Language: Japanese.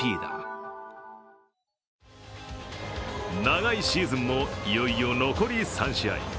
長いシーズンもいよいよ残り３試合。